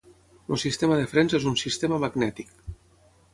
El sistema de frens és un sistema magnètic.